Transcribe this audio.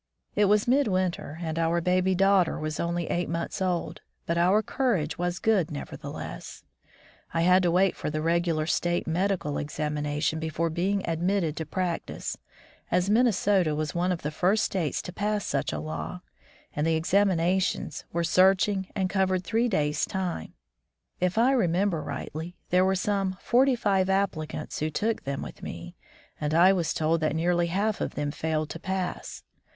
It was midwinter, and our baby daughter was only eight months old; but our courage was good nevertheless. I had to wait for the regular state medical examination before being admitted to practice, as Minnesota was one of the first states to pass such a law, and the examina 136 Civilization as Preached and Practised tions were searching and covered three days' time. If I remember rightly, there were some forty five applicants who took them with me, and I was told that nearly half of them failed to pass.